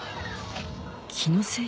気のせい？